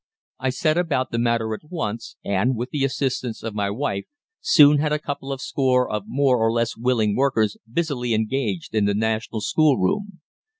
I set about the matter at once, and, with the assistance of my wife, soon had a couple of score of more or less willing workers busily engaged in the National Schoolroom.